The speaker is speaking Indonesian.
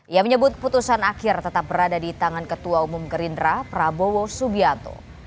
ia menyebut keputusan akhir tetap berada di tangan ketua umum gerindra prabowo subianto